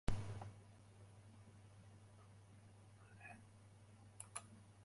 Klik Ferstjoerde post.